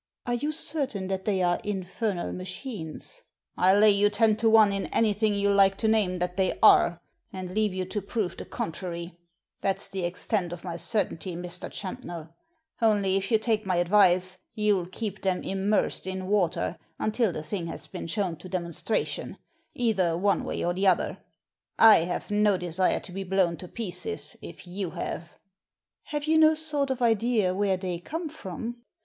"Are you certain that they are infernal machines ?" "I'll lay you ten to one in anything you like to name that they are, and leave you to prove the contrary — that's the extent of my certainty, Mr. Champnell. Only if you take my advice you'll keep them immersed in water until the thing has been shown to demonstration, either one way or the other. I have no desire to be blown to pieces, if you have." Have you no sort of idea where they come from?"